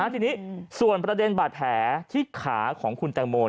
ทีนี้ส่วนประเด็นบาดแผลที่ขาของคุณแตงโม